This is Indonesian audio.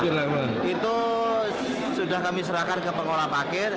itu sudah kami serahkan ke pengelola parkir